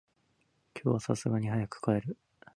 今日は流石に早く帰る。